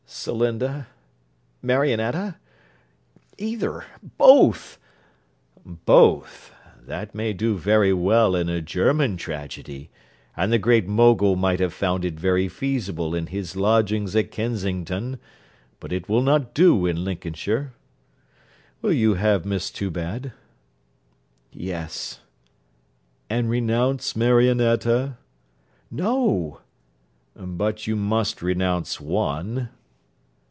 'Celinda Marionetta either both.' 'Both! That may do very well in a German tragedy; and the Great Mogul might have found it very feasible in his lodgings at Kensington; but it will not do in Lincolnshire. Will you have Miss Toobad?' 'Yes.' 'And renounce Marionetta?' 'No.' 'But you must renounce one.'